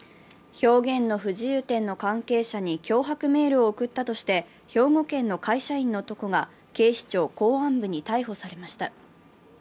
表現の不自由展の関係者に脅迫メールを送ったとして兵庫県の会社員の男が警視庁公安部に逮捕されました。